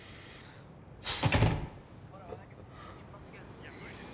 いや無理です。